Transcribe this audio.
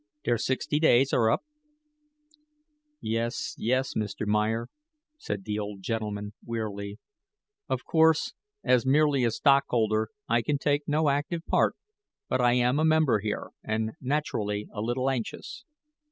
Der sixty days are up." "Yes, yes, Mr. Meyer," said the old gentleman, wearily; "of course, as merely a stockholder, I can take no active part; but I am a member here, and naturally a little anxious.